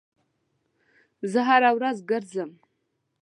زه هر ورځ ګرځم